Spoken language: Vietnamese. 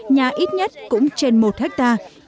nhà ít nhất cũng trên một hectare